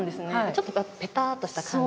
ちょっとペタっとした感じが。